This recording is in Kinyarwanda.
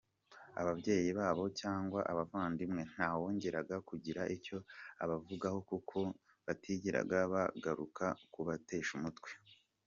Ababyeyi babo cyangwa abavandimwe, nta wongeraga kugira icyo abavugaho, kuko batigeraga bagaruka kubatesha umutwe.